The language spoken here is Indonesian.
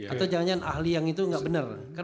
atau jangan jangan ahli yang itu nggak benar